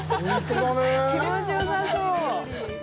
気持ちよさそう。